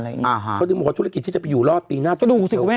เป็นธุรกิจจะไปอยู่รอดไปหน้าจุดเดียวกัน